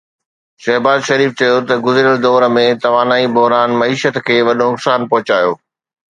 شهباز شريف چيو ته گذريل دور ۾ توانائي بحران معيشت کي وڏو نقصان پهچايو